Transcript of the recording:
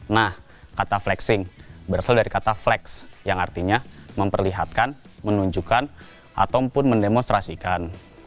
nah kata flexing berasal dari kata flex yang artinya memperlihatkan menunjukkan ataupun mendemonstrasikan